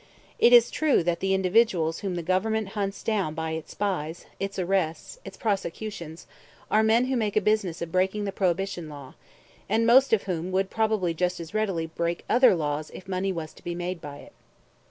It is true that the individuals whom the Government hunts down by its spies, its arrests, its prosecutions, are men who make a business of breaking the Prohibition law, and most of whom would probably just as readily break other laws if money was to be made by it.